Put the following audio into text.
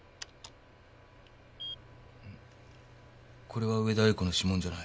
これは植田栄子の指紋じゃない。